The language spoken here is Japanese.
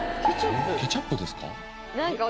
ケチャップですか？